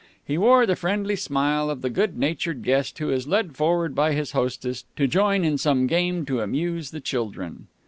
He wore the friendly smile of the good natured guest who is led forward by his hostess to join in some game to amuse the children.